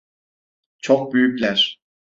Çok büyükler.